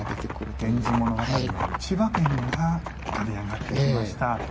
「源氏物語」の一場面が浮かび上がってきました。